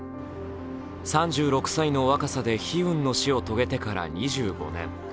３６歳の若さで悲運の死を遂げてから２５年。